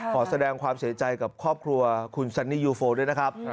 ขอแสดงความเสียใจกับครอบครัวคุณซันนี่ยูโฟด้วยนะครับ